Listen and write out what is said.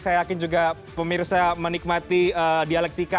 saya yakin juga pemirsa menikmati dialektika